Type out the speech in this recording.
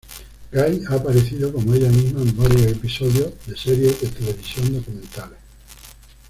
Gay ha aparecido como ella misma en varios episodios de series de televisión documentales.